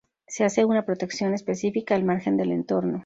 Se hace una protección específica al margen del entorno.